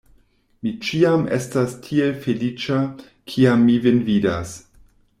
Mi ĉiam estas tiel feliĉa, kiam mi vin vidas!